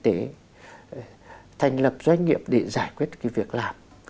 để thành lập doanh nghiệp để giải quyết cái việc làm